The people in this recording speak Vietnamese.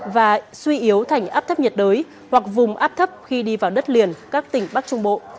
và suy yếu thành áp thấp nhiệt đới hoặc vùng áp thấp khi đi vào đất liền các tỉnh bắc trung bộ